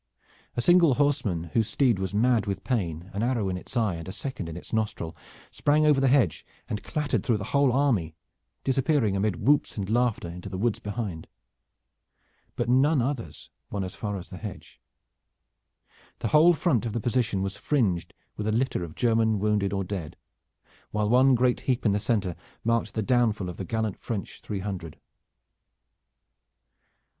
A single horseman whose steed was mad with pain, an arrow in its eye and a second in its nostril, sprang over the hedge and clattered through the whole army, disappearing amid whoops and laughter into the woods behind. But none others won as far as the hedge. The whole front of the position was fringed with a litter of German wounded or dead, while one great heap in the center marked the downfall of the gallant French three hundred.